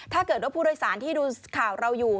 ถ้าเกิดว่าผู้โดยสารที่ดูข่าวเราอยู่